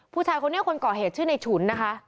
ผู้ชายคนนี้คนก่อเหตุชื่อในฉุนนะคะ